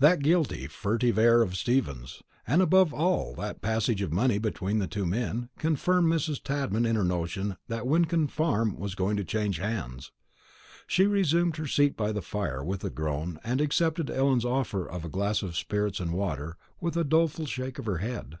That guilty furtive air of Stephen's, and, above all, that passage of money between the two men, confirmed Mrs. Tadman in her notion that Wyncomb Farm was going to change hands. She resumed her seat by the fire with a groan, and accepted Ellen's offer of a glass of spirits and water with a doleful shake of her head.